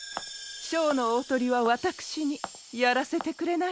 ショーのおおトリはわたくしにやらせてくれないかシラ。